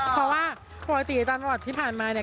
เพราะว่าปกติจากประวัติที่ผ่านมาเนี่ย